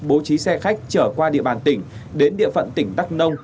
bố trí xe khách trở qua địa bàn tỉnh đến địa phận tỉnh đắk nông